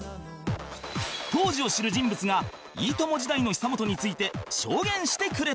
当時を知る人物が『いいとも！』時代の久本について証言してくれた